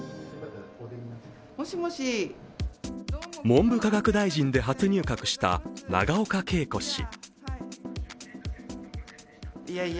文部科学大臣で初入閣した永岡桂子氏。